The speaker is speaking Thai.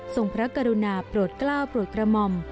พระกรุณาโปรดกล้าวโปรดกระหม่อม